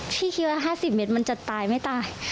คิดว่า๕๐เมตรมันจะตายไม่ตาย